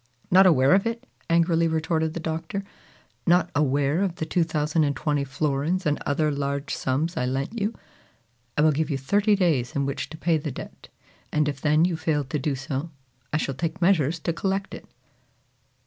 "Not aware of it!" angrily retorted the Doctor. "Not aware of the 2,020 florins and other large sums I lent you! I will give you thirty days in which to pay the debt; and if then you fail to do so, I shall take measures to collect it!"